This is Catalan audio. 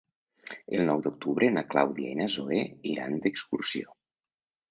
El nou d'octubre na Clàudia i na Zoè iran d'excursió.